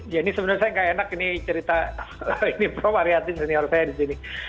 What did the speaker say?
ya ini sebenarnya saya nggak enak ini cerita ini pro mariatin senior saya di sini